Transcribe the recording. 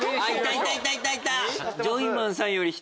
いたいた！